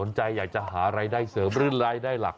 ใจอยากจะหารายได้เสริมหรือรายได้หลัก